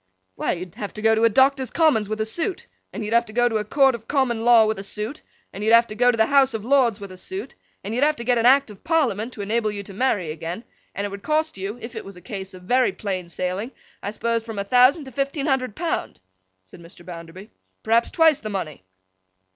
'Why, you'd have to go to Doctors' Commons with a suit, and you'd have to go to a court of Common Law with a suit, and you'd have to go to the House of Lords with a suit, and you'd have to get an Act of Parliament to enable you to marry again, and it would cost you (if it was a case of very plain sailing), I suppose from a thousand to fifteen hundred pound,' said Mr. Bounderby. 'Perhaps twice the money.